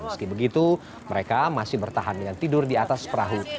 meski begitu mereka masih bertahan dengan tidur di atas perahu